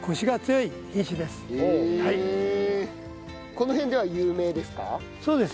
この辺では有名ですか？